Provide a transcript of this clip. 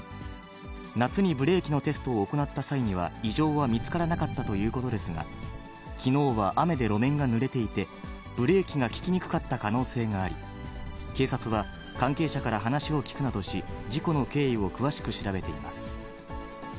夏にブレーキのテストを行った際には異常は見つからなかったということですが、きのうは雨で路面がぬれていて、ブレーキが利きにくかった可能性があり、警察は関係者から話を聞くなどし、事故の経緯を詳しく調べています。